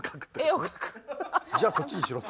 じゃあそっちにしろって。